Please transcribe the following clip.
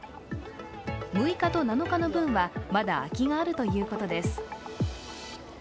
６日と７日の分はまだ空きがあるということです。